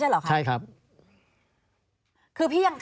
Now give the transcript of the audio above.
แล้ว